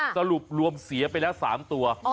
สรุปรวมเสียไปแล้ว๓ตัว